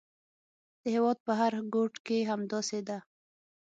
د هېواد په هر ګوټ کې همداسې ده.